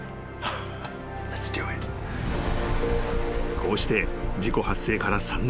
［こうして事故発生から３年］